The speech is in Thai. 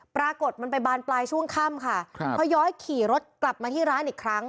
ปรากฏมันไปบานปลายช่วงค่ำค่ะครับพอย้อยขี่รถกลับมาที่ร้านอีกครั้ง